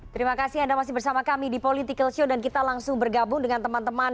terima kasih anda masih bersama kami di political show dan kita langsung bergabung dengan teman teman